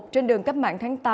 trên đường cách mạng tháng tám